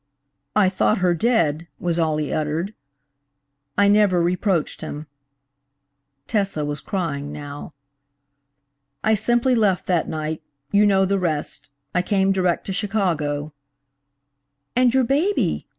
'I thought her dead,' was all he uttered. I never reproached him." (Tessa was crying now.) "I simply left that night–you know the rest–I came direct to Chicago." "And your baby?"